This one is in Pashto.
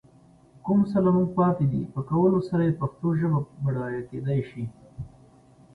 کوم څه له موږ پاتې دي، په کولو سره يې پښتو ژبه بډايه کېدای